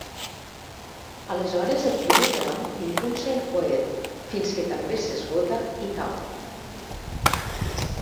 Aleshores el primer tram impulsa el coet fins que també s'esgota i cau.